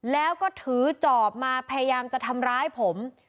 แล้วก็ถือจอบมาพยายามจะทำร้ายผม